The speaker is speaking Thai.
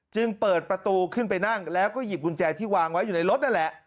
จึงเปิดประตูขึ้นไปนั่งแล้วก็หยิบกุญแจที่วางไว้อยู่ในรถนั่นแหละ